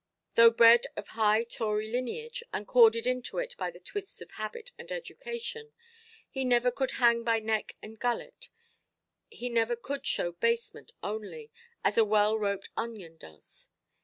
Though bred of high Tory lineage, and corded into it by the twists of habit and education, he never could hang by neck and gullet; he never could show basement only, as a well–roped onion does.